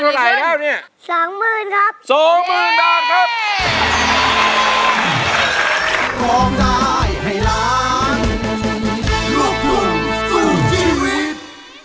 รู้ไม่เกินอีกนึงเริ่มเท่าไหร่แล้วเนี่ยสองหมื่นครับสองหมื่นบาทครับ